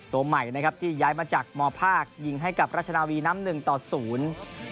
ตัวใหม่นะครับที่ย้ายมาจากมภาคยิงให้กับราชนาวีน้ำหนึ่งต่อศูนย์